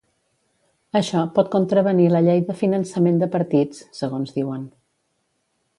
Això pot contravenir la llei de finançament de partits, segons que diuen.